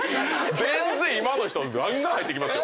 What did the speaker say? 全然今の人がんがん入ってきますよ。